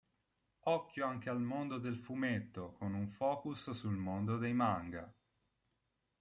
Occhio anche al mondo del fumetto con un focus sul mondo dei Manga.